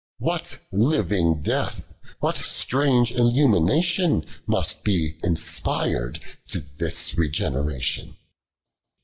What living death, wLat stningo illnminatioD Uust be Lnspir'd to thin regeneration